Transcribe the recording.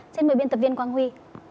xin mời biên tập viên quang huy